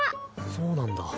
そうなんだ。